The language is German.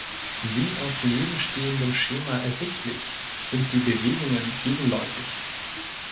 Wie aus nebenstehendem Schema ersichtlich, sind die Bewegungen gegenläufig.